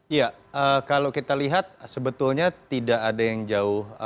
iya kalau kita lihat sebetulnya tidak ada yang jauh